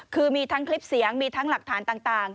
คือมีทั้งคลิปเสียงมีทั้งหลักฐานต่าง